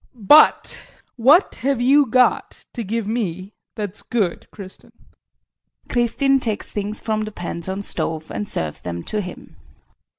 But what have you got to give me that's good, Kristin? KRISTIN. [She takes things from the pans on stove and serves them to him.